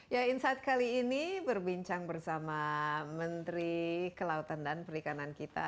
ya insight kali ini berbincang bersama menteri kelautan dan perikanan kita